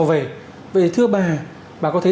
về vậy thì thưa bà bà có thấy